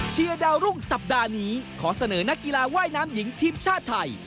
ดาวรุ่งสัปดาห์นี้ขอเสนอนักกีฬาว่ายน้ำหญิงทีมชาติไทย